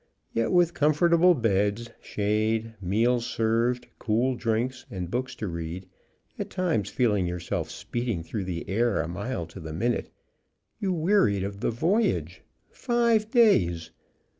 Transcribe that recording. Yet with comfortable beds, shade, meals served, cool drinks, and books to read, at times feeling yourself speeding through the air a mile to, the minute, you wearied of the "voyage." Five days!